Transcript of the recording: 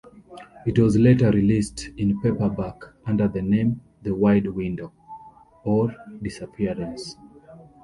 It was later released in paperback under the name The Wide Window; or, Disappearance!